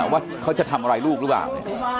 ว่าเขาจะทำอะไรลูกหรือเปล่า